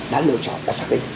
đã lựa chọn đã xác định